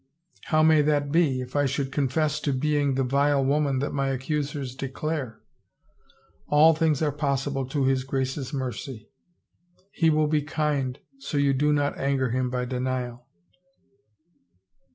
" How may that be, if I should confess to being the vile woman that my accusers declare ?"" All things are possible to his Grace's mercy. ... He will be kind so you do not anger him by denial."